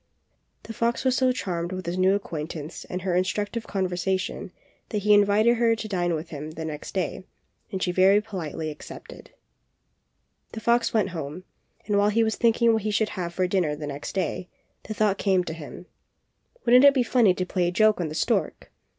The fox was so charmed with his new acquaintance and her instructive conversation that he invited her to dine with him the next day, and she very politely accepted. 42 THE FOX AND THE STORK. The fox went home, and, while he was thinking what he should have for dinner the next day, the thought came to him: ^WouldnT it be funny to play a joke on the stork?"